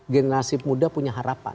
generasi muda punya harapan